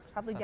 satu jam ya